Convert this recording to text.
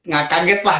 gak kaget lah